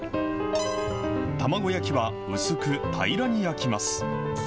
卵焼きは薄く平らに焼きます。